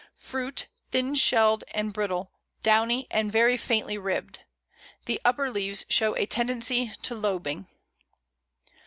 Fruit thin shelled and brittle, downy, and very faintly ribbed. The upper leaves show a tendency to lobing.